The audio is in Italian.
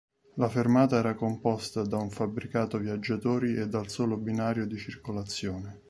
La fermata era composta da un fabbricato viaggiatori e dal solo binario di circolazione.